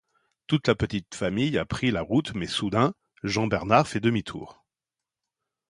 Toute la petite famille a pris la route mais soudain, Jean Bernard fait demi-tour.